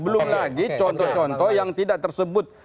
belum lagi contoh contoh yang tidak tersebut